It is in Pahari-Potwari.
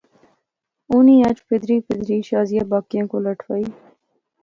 اُنی اج پھیدری پھیدری شازیہ باقیں کولا ٹھوالی